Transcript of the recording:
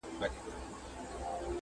یوه ورځ پر یوه لوی مار وو ختلی؛